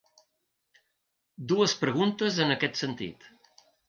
Dues preguntes en aquest sentit.